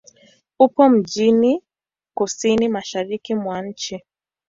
Upo mjini kusini-mashariki mwa nchi.